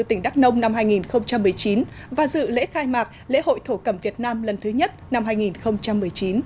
tỉnh đắk nông năm hai nghìn một mươi chín và dự lễ khai mạc lễ hội thổ cẩm việt nam lần thứ nhất năm hai nghìn một mươi chín